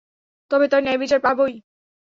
তবে তার ন্যায়বিচার পাবই।